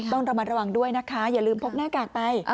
ต้องระมัดระวังด้วยนะคะอย่าลืมพกหน้ากากไป